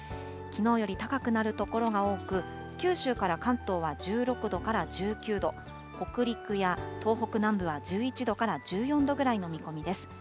きのうより高くなる所が多く、九州から関東は１６度から１９度、北陸や東北南部は１１度から１４度ぐらいの見込みです。